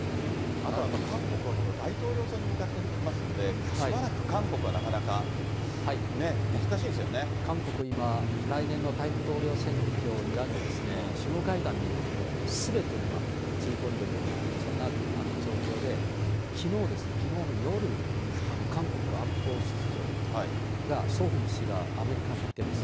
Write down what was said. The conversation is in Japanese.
あと韓国は大統領選に向かってますんで、しばらく韓国はなか韓国は今、来年の大統領選挙をにらんで、首脳会談にもうすべてを今、つぎ込んでるような、そんな状況で、きのうですね、きのうの夜、韓国安保室長がソ・フン氏がアメリカに行ってます。